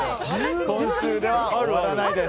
今週では終わらないです。